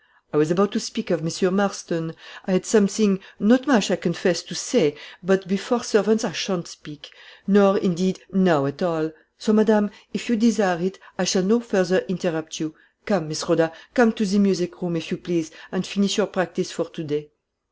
"I was about to speak of Mr. Marston. I had something, not much, I confess, to say; but before servants I shan't speak; nor, indeed, now at all. So, madame, as you desire it, I shall no further interrupt you. Come, Miss Rhoda, come to the music room, if you please, and finish your practice for today."